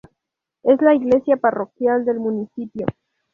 Es la iglesia parroquial del municipio.